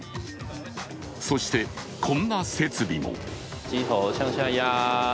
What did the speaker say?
そして、こんな設備も。